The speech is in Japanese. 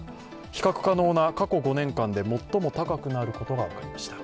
比較可能な過去５年間で最も高くなることが分かりました。